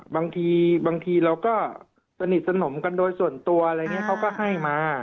บางทีบางทีเราก็สนิทสนมกันโดยส่วนตัวอะไรเนี้ยเขาก็ให้มา